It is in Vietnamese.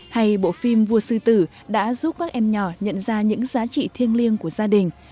hay bộ phim vua sư tử đã giúp các em nhỏ nhận ra những giá trị thiêng liêng của gia đình